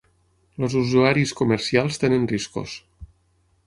Els usuaris comercials tenen riscos.